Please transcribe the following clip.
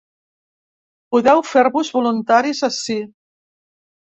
Podeu fer-vos voluntaris ací.